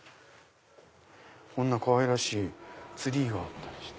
こんなかわいらしいツリーがあったりして。